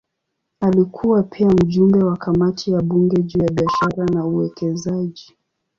Alikuwa pia mjumbe wa kamati ya bunge juu ya biashara na uwekezaji.